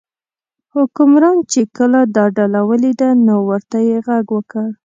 حکمران چې کله دا ډله ولیده نو ورته یې غږ وکړ.